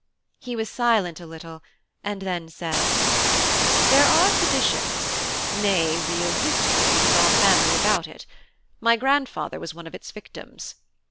He was silent a little, and then said: "There are traditions nay, real histories in our family about it: my grandfather was one of its victims.